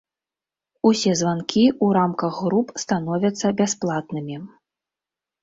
Усе званкі ў рамках груп становяцца бясплатнымі.